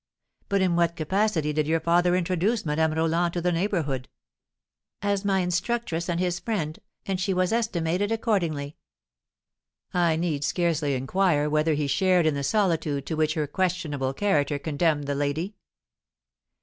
But in what capacity did your father introduce Madame Roland to the neighbourhood?" "As my instructress and his friend, and she was estimated accordingly." "I need scarcely inquire whether he shared in the solitude to which her questionable character condemned the lady?"